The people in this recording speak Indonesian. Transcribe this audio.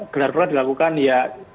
benar benar dilakukan ya